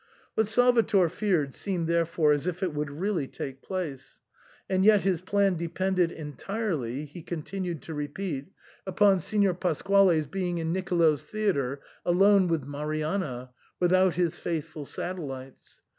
SIGNOR FORMICA. 139 What Saivator feared seemed therefore as if it would really take place ; and yet his plan depended entirely, he continued to repeat, upon Signor Pasquale's being in Nicolo's theatre alone with Marianna, without his faithful satellites.